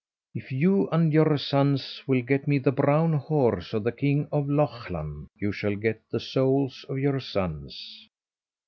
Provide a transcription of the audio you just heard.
If you and your sons will get me the brown horse of the king of Lochlann, you shall get the souls of your sons."